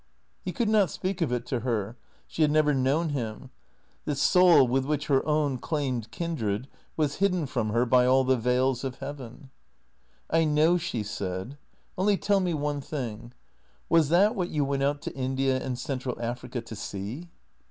He could not speak of it to her. She had never know him. This soul, with which her own claimed kindred, was hidden from her by all the veils of heaven. " I know," she said. " Only tell me one thing. Was that what you went out to India and Central Africa to see